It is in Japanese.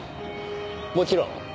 もちろん。